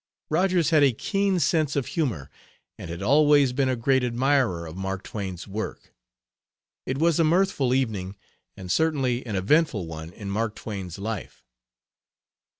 Rogers had a keen sense of humor and had always been a great admirer of Mark Twain's work. It was a mirthful evening, and certainly an eventful one in Mark Twain's life.